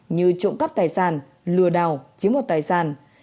như trộm cắp tài sản lừa đào chiếm hoạt tài sản